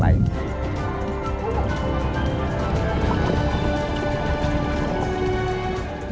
tidak boleh hanya kita bergabung